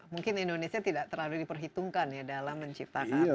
mungkin indonesia tidak terlalu diperhitungkan dalam menciptakan program yang konkret